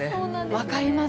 分かります。